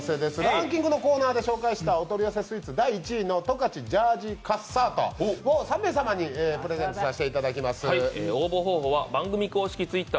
ランキングのコーナーで紹介したお取り寄せスイーツ、第１位の十勝ジャージーカッサータを３名様にプレゼントさせていただきます。